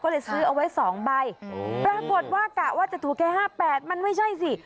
ก็เลยซื้อเอาไว้๒ใบปรากฏว่ากะว่าจะถูกแค่๕๘มันไม่ใช่สิ